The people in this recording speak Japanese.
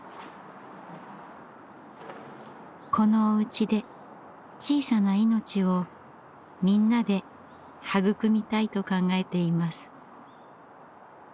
このおうちで小さな命をみんなで育みたいと考えています。